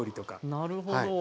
なるほど。